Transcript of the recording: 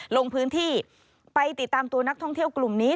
ลงพื้นที่ไปติดตามตัวนักท่องเที่ยวกลุ่มนี้